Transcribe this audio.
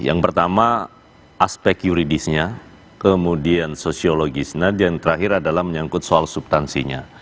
yang pertama aspek yuridisnya kemudian sosiologisnya dan terakhir adalah menyangkut soal subtansinya